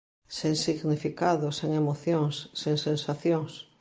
Sen significado, sen emocións, sen sensacións.